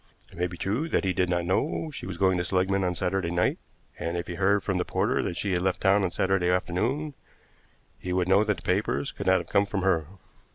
It may be true that he did not know she was going to Seligmann on Saturday night, and if he heard from the porter that she had left town on Saturday afternoon he would know that the papers could not have come from her.